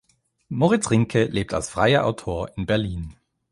Moritz Rinke lebt als freier Autor in Berlin.